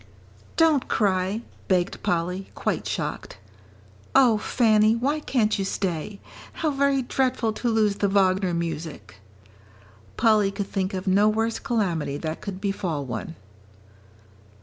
"Don't cry," begged Polly, quite shocked. "Oh, Fanny, why can't you stay? How very dreadful to lose the Wagner music!" Polly could think of no worse calamity that could befall one.